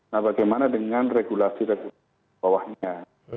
nah bagaimana dengan regulasi regulasi bawahnya